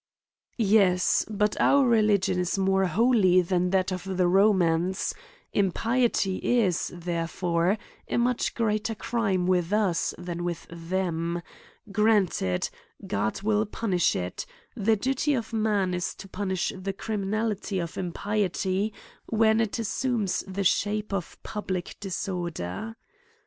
'' Yes — but our religion is more holy than that of the Romans — Impiety is, therefore, a much greater crime with us than with them : granted i God will punish it ;— the duty of man, is to punish the cri minality of impiety when it assumes the shape of public disorder.